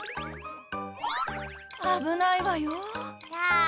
あぶないわよ。だ。